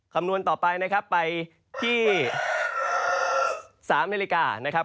คำนวณต่อไปนะครับไปที่๓นาฬิกานะครับ